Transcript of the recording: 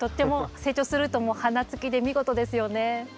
成長するともう花つきで見事ですよね。